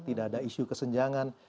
tidak ada isu kesenjangan